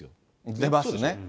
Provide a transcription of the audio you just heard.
出ますね。